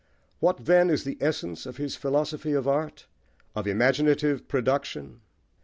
What, then, is the essence of his philosophy of art of imaginative production?